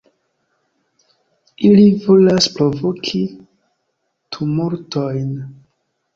Ili volas provoki tumultojn.